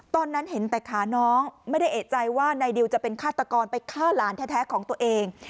ตอนนั้นเห็นแต่ขาน้องไม่ได้เอกใจว่านายดิวจะเป็นฆาตกรไปฆ่าหลานแท้ของตัวเอง